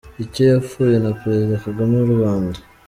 - Icyo yapfuye na Perezida Kagame w’u Rwanda,